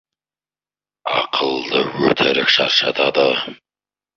Ақылды өтірік шаршатады.